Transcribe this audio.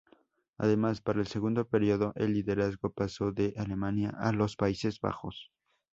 Además, para el segundo periodo el liderazgo pasó de Alemania a los Países Bajos.